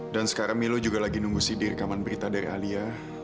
dan sekarang milo juga lagi nunggu sidik rekaman berita dari alia